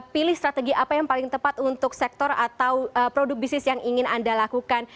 pilih strategi apa yang paling tepat untuk sektor atau produk bisnis yang ingin anda lakukan